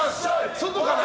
外から？